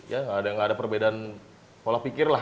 ya nggak ada perbedaan pola pikir lah